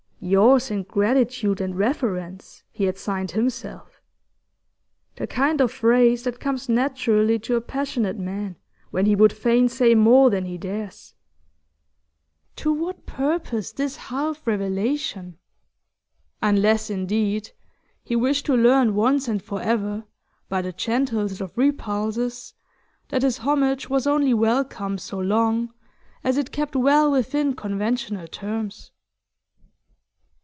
'Yours in gratitude and reverence,' he had signed himself the kind of phrase that comes naturally to a passionate man, when he would fain say more than he dares. To what purpose this half revelation? Unless, indeed, he wished to learn once and for ever, by the gentlest of repulses, that his homage was only welcome so long as it kept well within conventional terms.